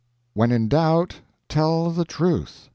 When in doubt, tell the truth.